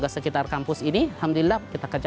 sekitar kampus ini alhamdulillah kita kerja